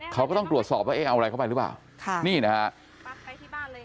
เขาก็ต้องตรวจสอบว่าเอ๊ะเอาอะไรเข้าไปหรือเปล่าค่ะนี่นะฮะ